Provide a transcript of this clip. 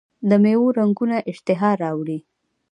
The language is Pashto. د میوو رنګونه اشتها راوړي.